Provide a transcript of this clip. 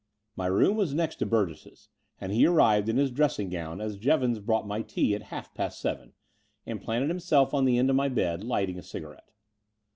My room was next to Burgess's : and he arrived in his dressing gown as Jevons brought my tea at half past seven, and planted himself on the end of my bed, lighting a cigarette.